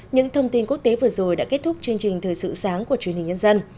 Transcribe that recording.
những thông tin quốc tế vừa rồi đã kết thúc chương trình thời sự sáng của truyền hình nhân dân